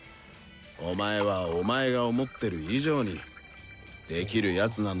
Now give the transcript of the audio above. お前はお前が思ってる以上に出来る奴なんだよ。